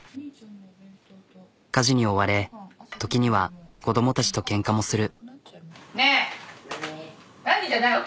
家事に追われ時には子どもたちとケンカもする。